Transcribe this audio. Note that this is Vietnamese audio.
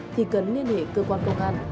thì cần liên hệ cơ quan công an